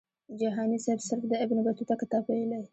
جهاني سیب صرف د ابن بطوطه کتاب ویلی.